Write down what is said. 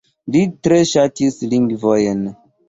Li tre ŝatis lingvojn.